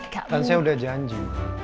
nanti saya udah janji